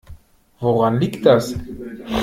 Woran liegt das?